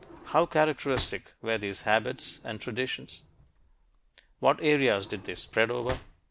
How characteristic were these habits and traditions? What areas did they spread over?